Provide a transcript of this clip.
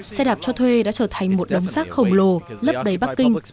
xe đạp cho thuê đã trở thành một đống rác khổng lồ lấp đầy bắc kinh